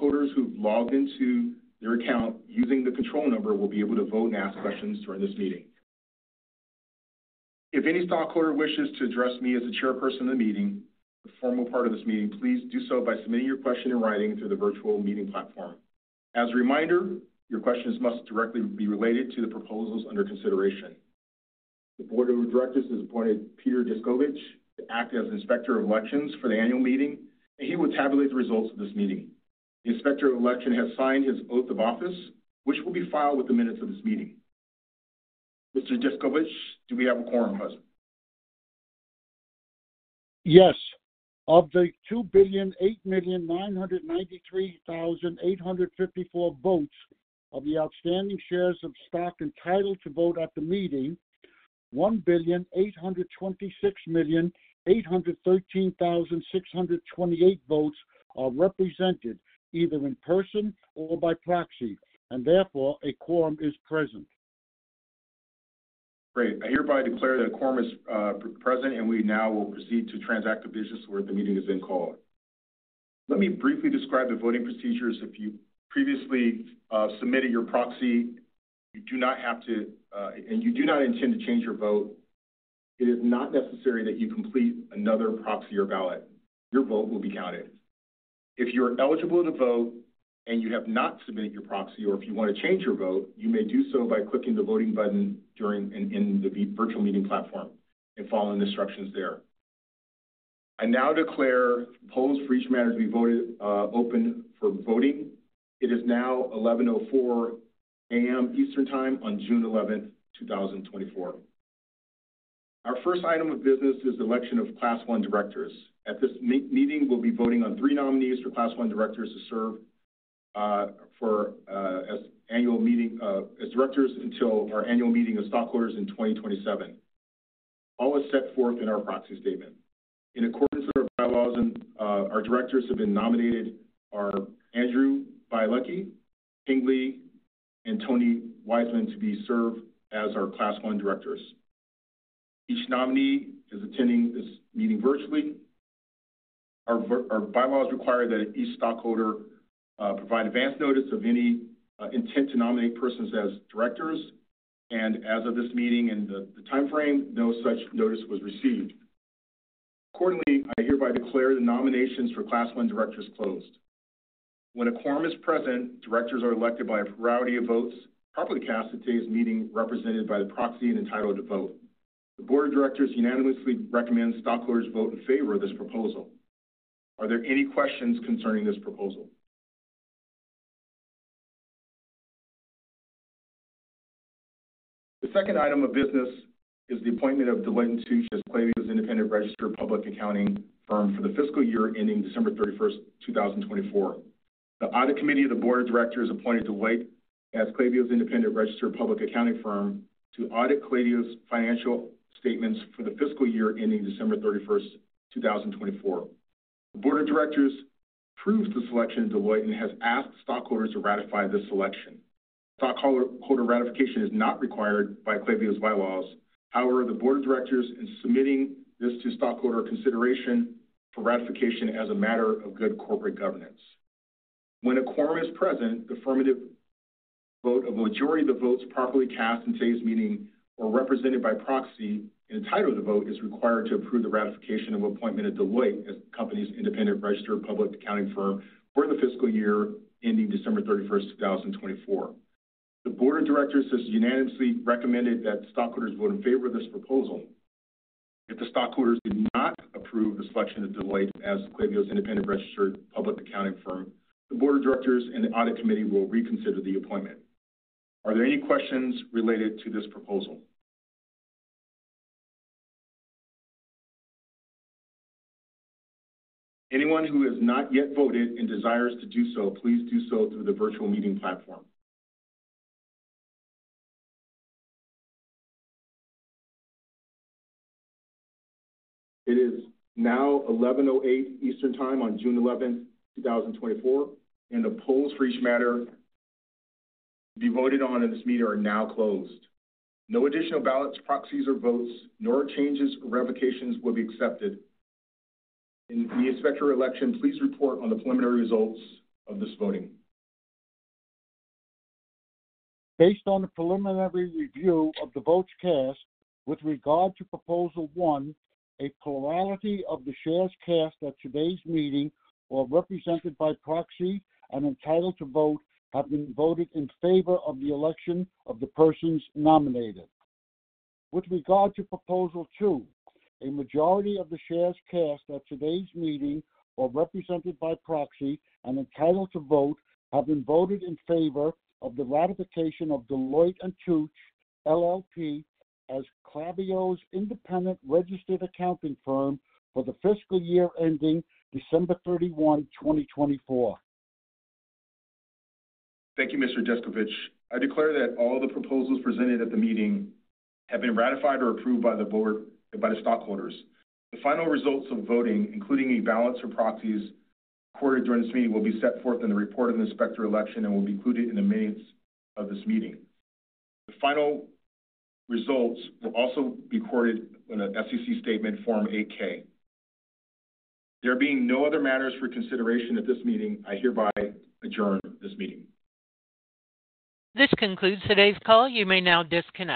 Platform. Please note that only stockholders who've logged into their account using the control number will be able to vote and ask questions during this meeting. If any stockholder wishes to address me as the chairperson of the meeting, the formal part of this meeting, please do so by submitting your question in writing through the virtual meeting platform. As a reminder, your questions must directly be related to the proposals under consideration. The Board of Directors has appointed Peter Descovich to act as Inspector of Elections for the annual meeting, and he will tabulate the results of this meeting. The Inspector of Elections has signed his oath of office, which will be filed with the minutes of this meeting. Mr. Descovich, do we have a quorum present? Yes. Of the 2,008,993,854 votes of the outstanding shares of stock entitled to vote at the meeting, 1,826,813,628 votes are represented either in person or by proxy, and therefore a quorum is present. Great. I hereby declare that a quorum is present, and we now will proceed to transact the business where the meeting has been called. Let me briefly describe the voting procedures. If you previously submitted your proxy, you do not have to, and you do not intend to change your vote. It is not necessary that you complete another proxy or ballot. Your vote will be counted. If you are eligible to vote and you have not submitted your proxy, or if you want to change your vote, you may do so by clicking the voting button during and in the virtual meeting platform and following the instructions there. I now declare the polls for each matter to be open for voting. It is now 11:04 A.M. Eastern Time on 11 June, 2024. Our first item of business is the election of Class 1 Directors. At this meeting, we'll be voting on three nominees for Class 1 Directors to serve for an annual meeting as directors until our annual meeting of stockholders in 2027. As is set forth in our proxy statement. In accordance with our bylaws, our directors have been nominated: Andrew Bialecki, Ping Li, and Tony Weisman to be served as our Class 1 Directors. Each nominee is attending this meeting virtually. Our bylaws require that each stockholder provide advance notice of any intent to nominate persons as directors. As of this meeting and the timeframe, no such notice was received. Accordingly, I hereby declare the nominations for Class 1 Directors closed. When a quorum is present, directors are elected by a plurality of votes properly cast at today's meeting, represented by the proxy and entitled to vote. The Board of Directors unanimously recommends stockholders vote in favor of this proposal. Are there any questions concerning this proposal? The second item of business is the appointment of Deloitte & Touche as Klaviyo's independent registered public accounting firm for the fiscal year ending 31 December, 2024. The audit committee of the Board of Directors appointed Deloitte as Klaviyo's independent registered public accounting firm to audit Klaviyo's financial statements for the fiscal year ending 31 December, 2024. The Board of Directors approves the selection of Deloitte and has asked stockholders to ratify this selection. Stockholder ratification is not required by Klaviyo's bylaws. However, the Board of Directors is submitting this to stockholder consideration for ratification as a matter of good corporate governance. When a quorum is present, the affirmative vote of a majority of the votes properly cast in today's meeting or represented by proxy and entitled to vote is required to approve the ratification of appointment of Deloitte as the company's independent registered public accounting firm for the fiscal year ending 31 December, 2024. The Board of Directors has unanimously recommended that stockholders vote in favor of this proposal. If the stockholders do not approve the selection of Deloitte as Klaviyo's independent registered public accounting firm, the Board of Directors and the Audit Committee will reconsider the appointment. Are there any questions related to this proposal? Anyone who has not yet voted and desires to do so, please do so through the virtual meeting platform. It is now 11:08 A.M. Eastern Time on 11 June, 2024, and the polls for each matter to be voted on in this meeting are now closed. No additional ballots, proxies, or votes, nor changes or revocations will be accepted. Inspector of Elections, please report on the preliminary results of this voting. Based on the preliminary review of the votes cast with regard to Proposal 1, a plurality of the shares cast at today's meeting are represented by proxy and entitled to vote have been voted in favor of the election of the persons nominated. With regard to Proposal 2, a majority of the shares cast at today's meeting are represented by proxy and entitled to vote have been voted in favor of the ratification of Deloitte & Touche LLP as Klaviyo's independent registered accounting firm for the fiscal year ending 31 December, 2024. Thank you, Mr. Descovich. I declare that all the proposals presented at the meeting have been ratified or approved by the Board and by the stockholders. The final results of voting, including a balance for proxies recorded during this meeting, will be set forth in the report of the inspector of elections and will be included in the minutes of this meeting. The final results will also be recorded in an SEC statement, Form 8-K. There being no other matters for consideration at this meeting, I hereby adjourn this meeting. This concludes today's call. You may now disconnect.